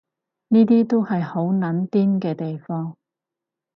呢啲都係好撚癲嘅地方